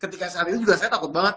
ketika saat itu juga saya takut banget